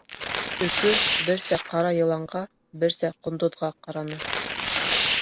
— Өкө берсә ҡара йыланға, берсә ҡондоҙға ҡараны.